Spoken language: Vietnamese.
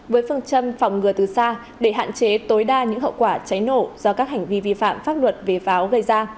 với phương châm phòng ngừa từ xa để hạn chế tối đa những hậu quả cháy nổ do các hành vi vi phạm pháp luật về pháo gây ra